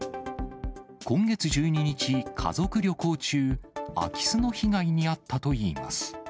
今月１２日、家族旅行中、空き巣の被害に遭ったといいます。